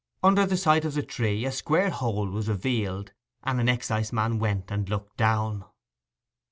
Under the site of the tree a square hole was revealed, and an exciseman went and looked down.